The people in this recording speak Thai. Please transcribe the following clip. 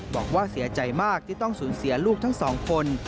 บอกว่าเสียใจมากที่ต้องสูญเสียลูกทั้งสองคน